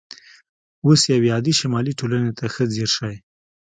اوس یوې عادي شمالي ټولنې ته ښه ځیر شئ